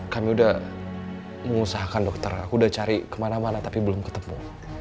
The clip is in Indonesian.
kami udah mengusahakan dokter aku udah cari kemana mana tapi belum ketemu